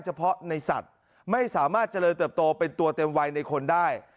เฉพาะในสัตว์ไม่สามารถเจริญเติบโตเป็นตัวเต็มวัยในคนได้